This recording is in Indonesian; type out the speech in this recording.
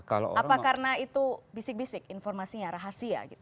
apa karena itu bisik bisik informasinya rahasia gitu